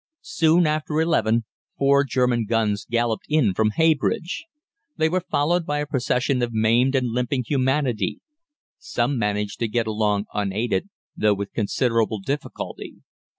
Soon after eleven four German guns galloped in from Heybridge. These were followed by a procession of maimed and limping humanity. Some managed to get along unaided, though with considerable difficulty.